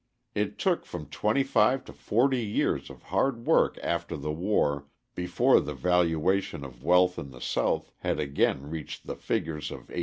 It took from twenty five to forty years of hard work after the war before the valuation of wealth in the South had again reached the figures of 1860.